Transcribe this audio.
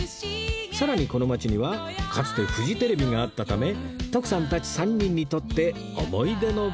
さらにこの街にはかつてフジテレビがあったため徳さんたち３人にとって思い出の場所なんです